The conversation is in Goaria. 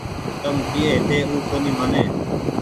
تم ڪيئي هيتي او ڪونيٚ مآني